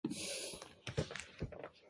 埼玉県三芳町